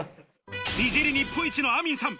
美尻日本一のアミンさん。